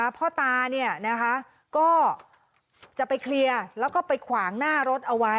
พ่อตาก็จะไปเคลียร์แล้วก็ไปขวางหน้ารถเอาไว้